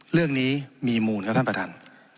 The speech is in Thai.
เรื่องนี้มีมูลครับท่านประธาน